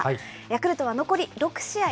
ヤクルトは残り６試合。